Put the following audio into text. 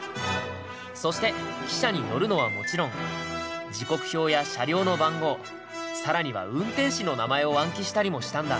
そして汽車に乗るのはもちろん時刻表や車両の番号さらには運転士の名前を暗記したりもしたんだ。